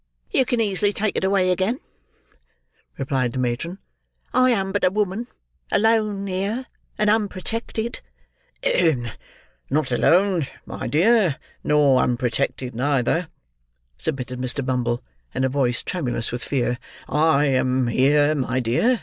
"You can easily take it away again," replied the matron. "I am but a woman; alone here; and unprotected." "Not alone, my dear, nor unprotected, neither," submitted Mr. Bumble, in a voice tremulous with fear: "I am here, my dear.